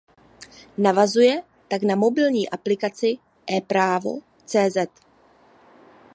Navazuje tak na mobilní aplikaci Epravo.cz.